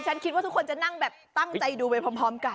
ฉันคิดว่าทุกคนจะนั่งแบบตั้งใจดูไปพร้อมกัน